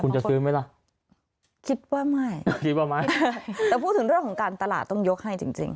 คุณจะซื้อไหมล่ะคิดว่าไม่แต่พูดถึงเรื่องของการตลาดต้องยกให้จริง